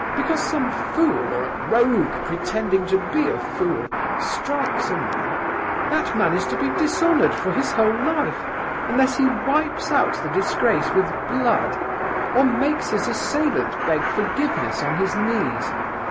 Because some fool, or a rogue pretending to be a fool, strikes a man, that man is to be dishonoured for his whole life, unless he wipes out the disgrace with blood, or makes his assailant beg forgiveness on his knees!